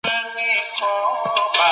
د حکومتونو کارونه بايد وڅارل سي.